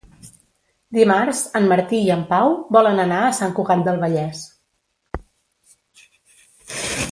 Dimarts en Martí i en Pau volen anar a Sant Cugat del Vallès.